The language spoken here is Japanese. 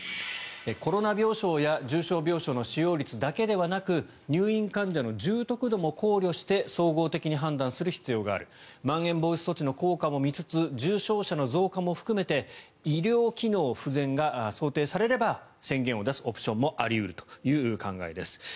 コロナ病床や重症病床の使用率だけではなく入院患者の重篤度も考慮して総合的に判断する必要があるまん延防止措置の効果も見つつ重症者の増加も含めて医療機能不全が想定されれば宣言を出すオプションもあり得るという考えです。